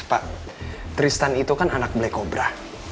pak tristan itu kan anak black cobra